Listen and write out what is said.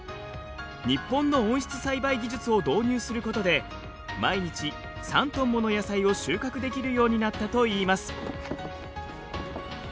日本の温室栽培技術を導入することで毎日３トンもの野菜を収穫できるようになったといいます。